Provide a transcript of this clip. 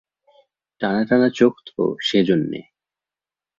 টানাটানা চোখ তো, সে জন্যে।